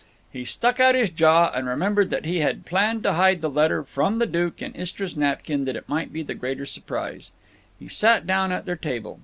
He stuck out his jaw, and remembered that he had planned to hide the "letter from the duke" in Istra's napkin that it might be the greater surprise. He sat down at their table.